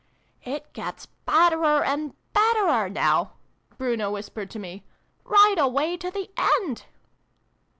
(" It gets betterer and betterer, now," Bruno whispered to me, " right away to the end